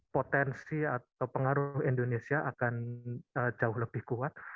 potensi atau pengaruh indonesia akan jauh lebih kuat